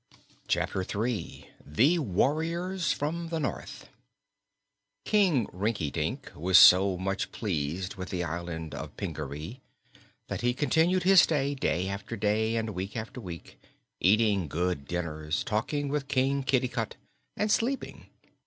Chapter Three The Warriors from the North King Rinkitink was so much pleased with the Island of Pingaree that he continued his stay day after day and week after week, eating good dinners, talking with King Kitticut and sleeping.